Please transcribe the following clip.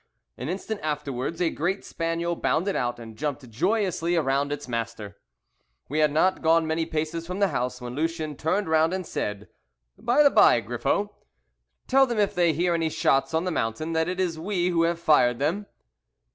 An instant afterwards a great spaniel bounded out, and jumped joyously around its master. We had not gone many paces from the house when Lucien turned round and said "By the by, Griffo, tell them if they hear any shots on the mountain that it is we who have fired them."